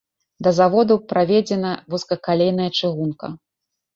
Да заводу праведзена вузкакалейная чыгунка.